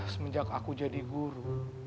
semenjak aku jadi guru